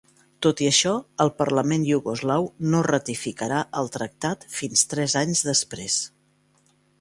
Tot i això, el Parlament iugoslau no ratificarà el tractat fins tres anys després.